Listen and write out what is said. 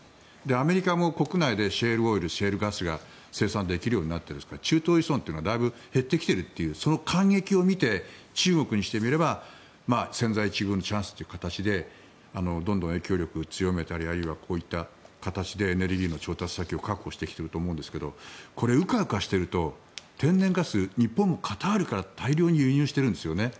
アメリカも国内でシェールオイル、シェールガスが生産できるようになっていますが中東依存というのがだいぶ減ってきているというその間隙を見て中国にしてみれば千載一遇のチャンスという形で協力を強めたりエネルギーの調達先を確保してきてると思うんですがこれうかうかしていると天然ガス、日本カタールから大量に輸入しているんですよね。